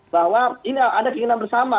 bahwa ini ada keinginan bersama